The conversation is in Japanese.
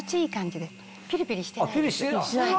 ピリピリしてない。